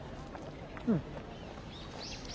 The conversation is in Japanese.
うん。